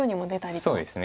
そうですね。